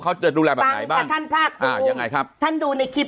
เขาจะดูแลแบบไหนบ้างถ้าท่านพลาดอ่ายังไงครับท่านดูในคลิป